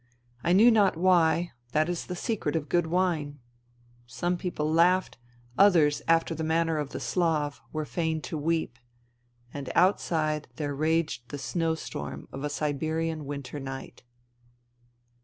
I knew not why ; that is the secret of good wine. Some people laughed, others after the manner of the Slav were fain to weep ; and outside there raged the snowstorm of a Siberian winter night.